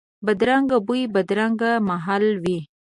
بدرنګ بوی، بدرنګ محل وي